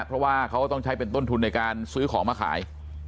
เพราะว่าเขาก็ต้องใช้เป็นต้นทุนในการซื้อของมาขาย